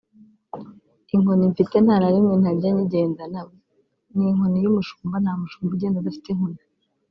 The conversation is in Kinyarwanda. Inkoni mfite nta na rimwe ntajya nyigendana ni inkoni y’umushumba; nta mushumba ugenda adafite inkoni